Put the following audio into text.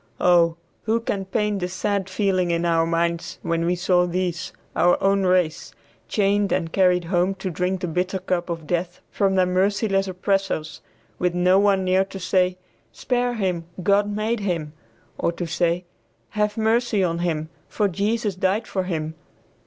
Oh! who can paint the sad feeling in our minds when we saw these, our own race, chained and carried home to drink the bitter cup of death from their merciless oppressors, with no one near to say, "Spare him, God made him," or to say, "Have mercy on him, for Jesus died for him."